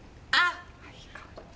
あっ！